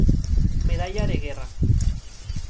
Medalla de guerra.